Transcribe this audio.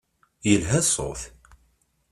Yelha ṣṣut.